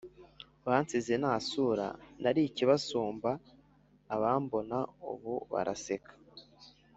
Bansize nta sura Nari ikibasumba Abambona ubu baraseka